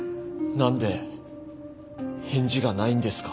なんで返事がないんですか？